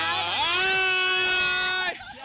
อ๊าย